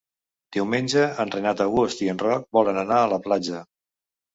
Diumenge en Renat August i en Roc volen anar a la platja.